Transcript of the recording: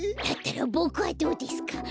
だったらボクはどうですか？